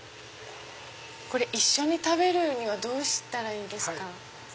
これ一緒に食べるにはどうしたらいいですか？